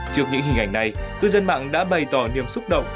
trước những hình ảnh này cư dân mạng đã bày tỏ niềm xúc động